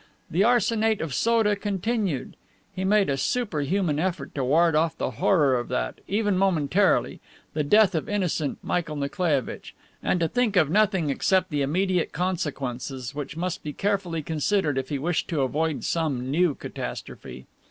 The arsenate of soda continued. He made a superhuman effort to ward off the horror of that, even momentarily the death of innocent Michael Nikolaievitch and to think of nothing except the immediate consequences, which must be carefully considered if he wished to avoid some new catastrophe.